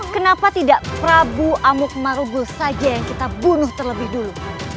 kenapa tidak prabu amuk marubul saja yang kita bunuh terlebih dulu